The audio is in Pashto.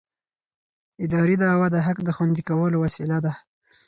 اداري دعوه د حق د خوندي کولو وسیله ده.